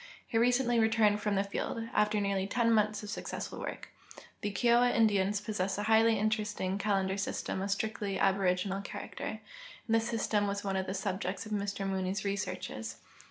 He recently returned from the field, after nearly ten months of successful Avork. The KioAva Indians j)0ssess a highly interesting calendar system of strictly aboriginal character, and this system Avas one of the subjects of Mr Mooney's researches.